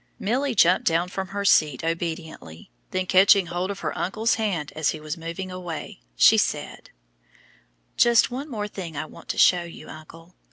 Milly jumped down from her seat obediently; then catching hold of her uncle's hand as he was moving away, she said, "Just one thing more I want to show you, uncle.